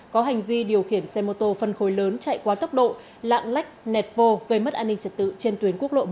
có hành vi điều khiển xe mô tô phân khối lớn chạy qua tốc độ lạng lách nẹt vô gây mất an ninh trật tự trên tuyến quốc lộ một